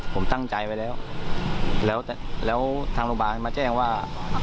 ผมตั้งใจไว้แล้วแล้วทางโรงพยาบาลมาแจ้งว่า